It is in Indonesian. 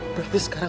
aku harus tahu